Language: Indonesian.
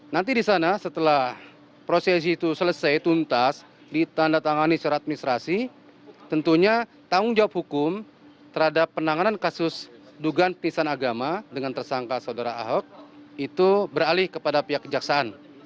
nanti di sana setelah prosesi itu selesai tuntas ditandatangani secara administrasi tentunya tanggung jawab hukum terhadap penanganan kasus dugaan pisan agama dengan tersangka saudara ahok itu beralih kepada pihak kejaksaan